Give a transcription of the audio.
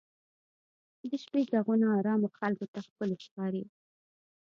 د شپې ږغونه ارامو خلکو ته ښکلي ښکاري.